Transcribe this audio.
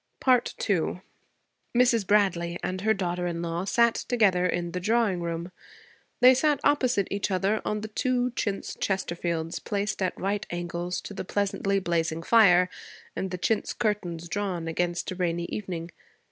II Mrs. Bradley and her daughter in law sat together in the drawing room. They sat opposite each other on the two chintz chesterfields placed at right angles to the pleasantly blazing fire, the chintz curtains drawn against a rainy evening.